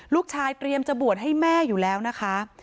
เตรียมจะบวชให้แม่อยู่แล้วนะคะ